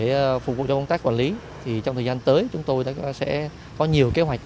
để phục vụ cho công tác quản lý thì trong thời gian tới chúng tôi sẽ có nhiều kế hoạch